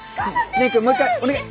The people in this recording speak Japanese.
蓮くんもう一回お願い！